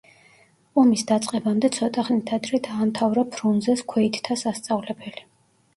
ომის დაწყებამდე ცოტა ხნით ადრე დაამთავრა ფრუნზეს ქვეითთა სასწავლებელი.